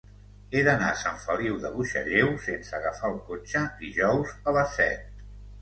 He d'anar a Sant Feliu de Buixalleu sense agafar el cotxe dijous a les set.